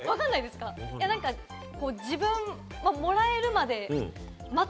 自分がもらえるまで待つ。